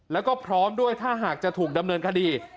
แล้วก็พร้อมด้วยถ้าหากจะถูกดำเนินคดี